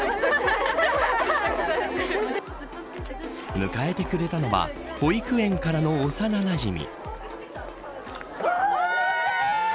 迎えてくれたのは保育園からの幼なじみ。